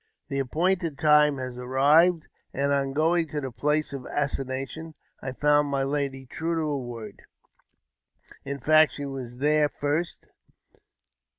The appointed time had arrived, and, on going to the place of assignation, I found my lady true to her word — in fact, she was there first.